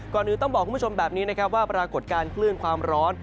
ก่อนอื่นต้องบอกคุณผู้ชมแบบนี้นะครับว่าปรากฏการณ์คลื่นความร้อน